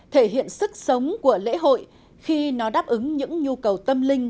thể hiện sức sống của lễ hội khi nó đáp ứng những nhu cầu tâm linh